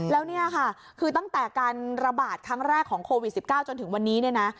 แล้วเนี่ยค่ะคือตั้งแต่การระบาดครั้งแรกของโควิด๑๙จนถึงวันนี้เนี่ยนะ